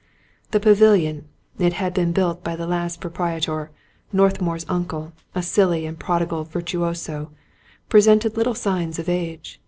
The pavilion — ^it had been built by the last proprietor, Northmour's uncle, a silly and prodigal virtuoso — ^presented little signs of age.